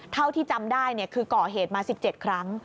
เท่าที่จำได้คือก่อเหตุมา๑๗ครั้ง